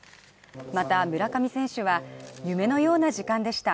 また村上選手は夢のような時間でした。